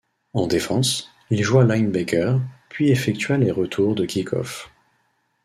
En défense, il joua linebacker puis effectua les retours de kick off.